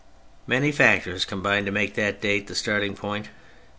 Many factors combine to make that date the starting point.